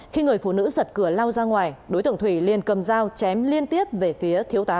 khi người phụ nữ giật cửa lao ra ngoài đối tượng thủy liền cầm dao chém liên tiếp về phía thiếu tá